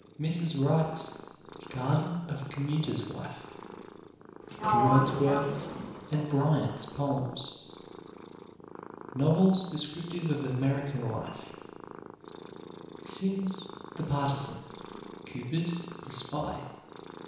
Mrs. Wright's "Garden of a Commuter's Wife." Wordsworth's and Bryant's Poems. Novels Descriptive of American Life Simms' "The Partisan." Cooper's "The Spy."